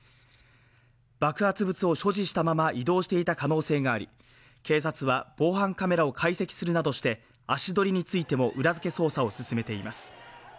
爆発物を所持したまま移動していた可能性があり、警察は防犯カメラを解析するなどして、足取りについても裏付け捜査を進めています。